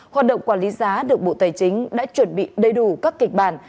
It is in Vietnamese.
hoạt động quản lý giá được bộ tài chính đã chuẩn bị đầy đủ các kịch bản